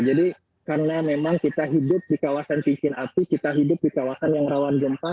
jadi karena memang kita hidup di kawasan pincin api kita hidup di kawasan yang rawan gempa